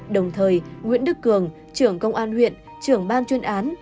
đồng thời nguyễn đức cường trưởng công an huyện trưởng ban chuyên án